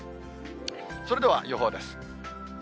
それでは予報です。